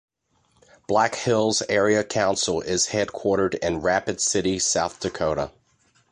Black Hills Area Council is headquartered in Rapid City, South Dakota.